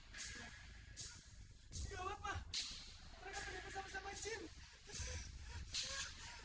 gak apa apa pak mereka akan dapat sama sama jin